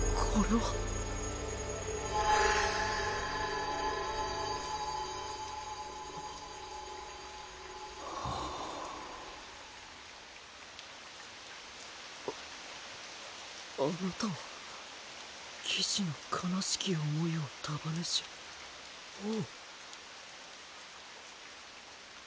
はぁああなたは騎士の悲しき思いを束ねし王？